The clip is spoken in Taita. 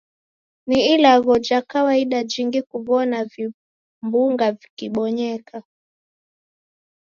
Si ilagho ja kawaida jingi kuw'ona vimbunga vikibonyeka.